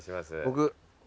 僕。